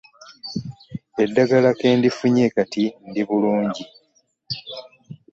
Eddagala ke ndifunye kati ndi bulungi.